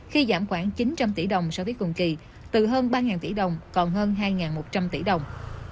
khi giảm khoảng chín trăm linh tỷ đồng so với cùng kỳ từ hơn ba tỷ đồng còn hơn hai một trăm linh tỷ đồng